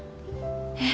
え？